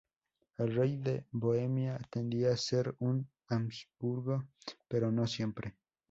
El rey de Bohemia tendía a ser un Habsburgo, pero no siempre.